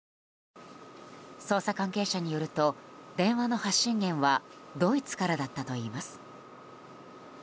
捜査関係者によると電話の発信元はドイツからだったといいます。